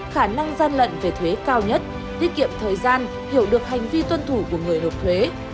khả năng gian lận về thuế cao nhất tiết kiệm thời gian hiểu được hành vi tuân thủ của người nộp thuế